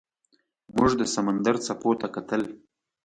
موږ د سمندر څپو ته کتل.